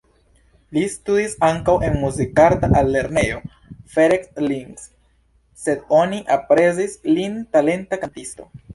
Li studis ankaŭ en Muzikarta Altlernejo Ferenc Liszt, sed oni aprezis lin talenta kantisto.